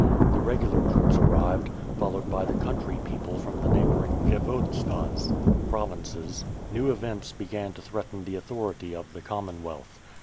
The regular troops arrived, followed by the country people from the neighboring Vyevodstvas (provinces), new events began to threaten the authority of the Commonwealth.